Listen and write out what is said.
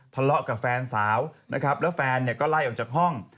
ทะเลาะกับแฟนสาวนะครับแล้วแฟนเนี่ยก็ไล่ออกจากห้อง